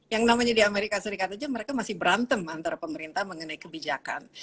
yang namanya di amerika serikat saja mereka masih berantem antara pemerintah mengenai kebijakan